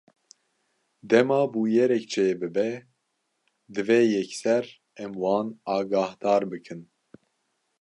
Dema bûyerek çêbibe, divê yekser em wan agahdar bikin.